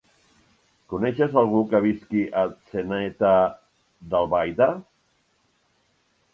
Coneixes algú que visqui a Atzeneta d'Albaida?